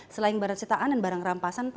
selain barang sitaan dan barang rampasan pak